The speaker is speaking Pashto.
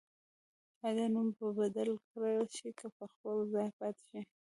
آیا دا نوم به بدل کړل شي که په خپل ځای پاتې شي؟